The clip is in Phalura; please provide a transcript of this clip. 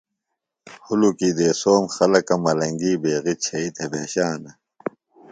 ہُلُکی دیسوم خلکہ ملنگی بیغی چھیئی تھےۡ بھشانہ۔